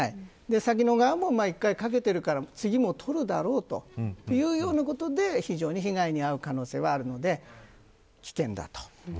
詐欺の側も次もとるだろうということで非常に被害に遭う可能性はあるので、危険だと。